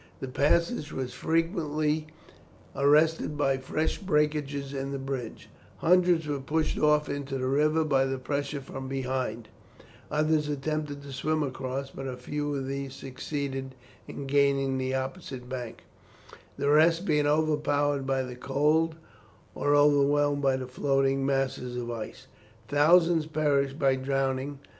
The passage was frequently arrested by fresh breakages in the bridges; hundreds were pushed off into the river by the pressure from behind; others attempted to swim across, but few of these succeeded in gaining the opposite bank, the rest being overpowered by the cold or overwhelmed by the floating masses of ice. Thousands perished by drowning.